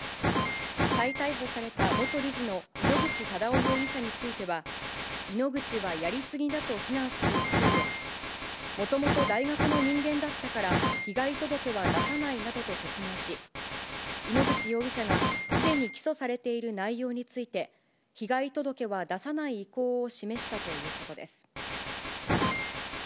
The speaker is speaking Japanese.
再逮捕された元理事の井ノ口忠男容疑者については、井ノ口はやり過ぎだと非難する一方で、もともと大学の人間だったから被害届は出さないなどと説明し、井ノ口容疑者がすでに起訴されている内容について、被害届は出さない意向を示したということです。